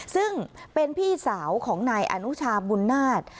ซึ่งเป็นพี่สาวของนายอนุชาบุญนาฏ